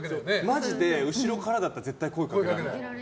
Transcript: マジで後ろからだったら声掛けられない。